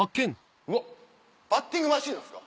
バッティングマシンなんですか？